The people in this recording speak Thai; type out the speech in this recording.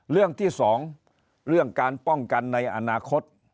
เรื่องที่สองเรื่องการป้องกันในอนาคต